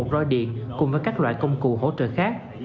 roi điện cùng với các loại công cụ hỗ trợ khác